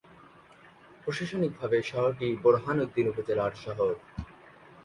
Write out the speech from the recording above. প্রশাসনিকভাবে শহরটি বোরহানউদ্দিন উপজেলার সদর।